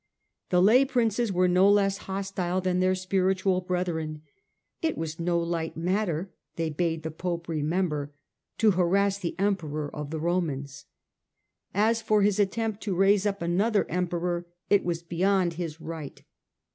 The lay Princes were no less hostile than their spiritual brethren. It was no light matter, they bade the Pope remember, to harass the Emperor of the Romans. As for his attempt to raise up another Emperor, it was beyond his right.